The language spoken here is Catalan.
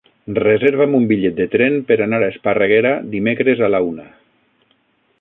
Reserva'm un bitllet de tren per anar a Esparreguera dimecres a la una.